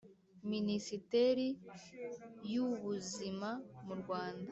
Minisiteri y’Ubuzima mu Rwanda